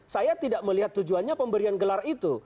saya tidak melihat tujuannya pemberian gelar itu